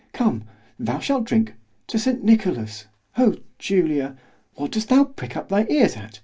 Come, thou shalt drink—to St. Nicolas—O Julia!——What dost thou prick up thy ears at?